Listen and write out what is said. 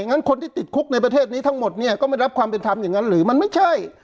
งั้นคนที่ติดคุกในประเทศนี้ทั้งหมดเนี่ยก็ไม่รับความเป็นธรรมอย่างนั้นหรือมันไม่ใช่